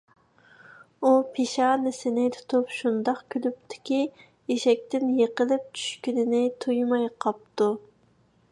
ئۇ پېشانىسىنى تۇتۇپ، شۇنداق كۈلۈپتۇكى، ئېشەكتىن يىقىلىپ چۈشكىنىنى تۇيماي قاپتۇ.